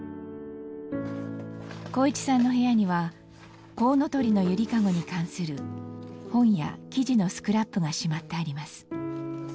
航一さんの部屋にはこうのとりのゆりかごに関する本や記事のスクラップがしまってあります。